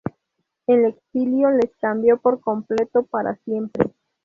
El exilio les cambió por completo para siempre.